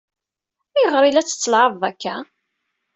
Ayɣer i la tt-ttelɛaben akka?